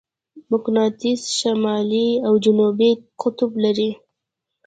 مقناطیس شمالي او جنوبي قطب لري.